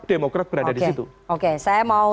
demokrat berada di situ oke saya mau